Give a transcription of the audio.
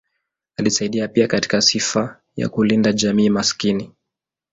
Alisaidia pia katika sifa ya kulinda jamii maskini.